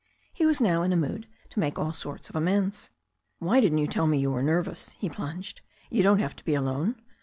He was now in a mood to make all sorts of amends. "Why didn't you tell me you were nervous?" he plunged. "You don't have to be alone.